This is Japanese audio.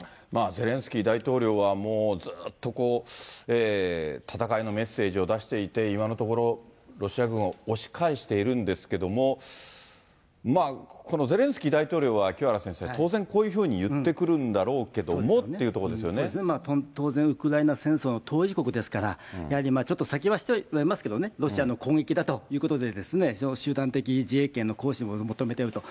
ゼレンスキー大統領はもうずっとこう、戦いのメッセージを出していて、今のところ、ロシア軍を押し返しているんですけども、このゼレンスキー大統領は、清原先生、当然こういうふうに言ってくるんだろうけどもっていうところですそうですね、当然ウクライナ戦争の当事国ですから、やはりちょっと先走ってはいますけどもね、ロシアの攻撃だということで、集団的自衛権の行使を求めていると。